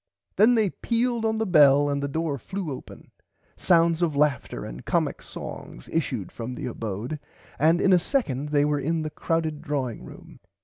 Then they pealed on the bell and the door flew open. Sounds of laughter and comic songs issued from the abode and in a second they were in the crowded drawing room.